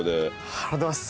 ありがとうございます。